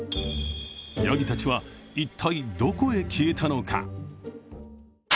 やぎたちは一体どこへ消えたのか。